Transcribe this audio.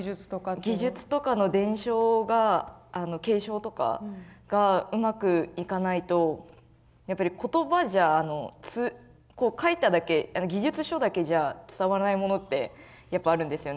技術とかの伝承があの継承とかがうまくいかないとやっぱり言葉じゃ書いただけ技術書だけじゃ伝わらないものってやっぱあるんですよね。